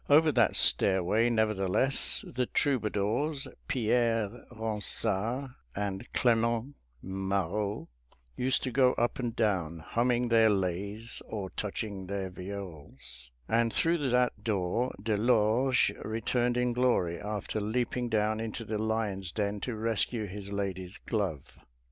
Over that stairway, nevertheless, the troubadours, Pierre Ronsard and Clement Marot, used to go up and down, humming their lays or touching their viols; and through that door De Lorge returned in glory, after leaping down into the lions' den to rescue his lady's glove.